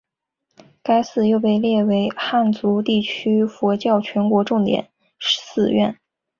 该寺又被列为汉族地区佛教全国重点寺院。